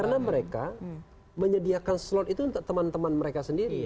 karena mereka menyediakan slot itu untuk teman teman mereka sendiri